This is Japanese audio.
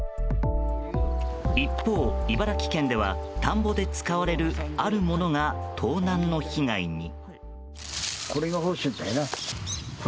一方、茨城県では田んぼで使われるあるものが盗難の被害に。